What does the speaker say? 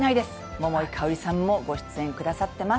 桃井かおりさんもご出演くださっています。